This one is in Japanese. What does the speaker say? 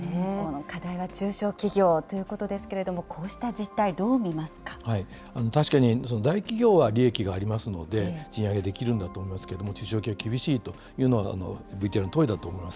課題は中小企業ということですけれども、こうした実態、どう確かに大企業は利益がありますので、賃上げできるんだと思いますけれども、中小企業は厳しいというのはＶＴＲのとおりだと思います。